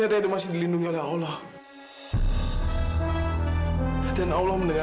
terus kamu bilang apa mila